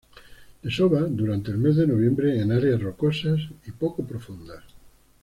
Desova durante el mes de noviembre en áreas rocosas y poco profundas.